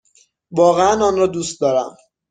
واقعا آن را دوست دارم!